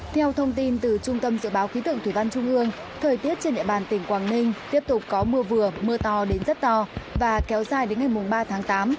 theo thông tin từ trung tâm dự báo khí tượng thủy văn trung ương thời tiết trên địa bàn tỉnh quảng ninh tiếp tục có mưa vừa mưa to đến rất to và kéo dài đến ngày ba tháng tám